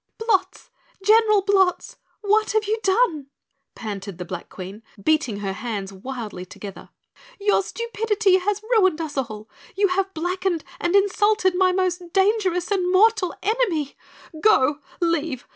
"Blotz, General Blotz, what have you done?" panted the Black Queen, beating her hands wildly together. "Your stupidity has ruined us all! You have blackened and insulted my most dangerous and mortal enemy! Go! Leave!